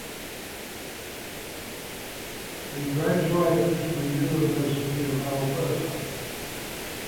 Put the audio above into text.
He graduated from the University of Alberta.